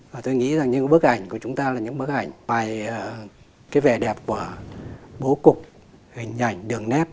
và tôi nghĩ rằng những bức ảnh của chúng ta là những bức ảnh bài cái vẻ đẹp của bố cục hình ảnh đường nét